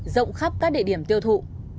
rộng khắp các địa điểm tiêu thụ